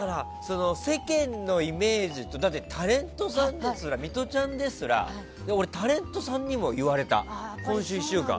世間のイメージとタレントさんですらミトちゃんですら俺、タレントさんにも言われた今週１週間。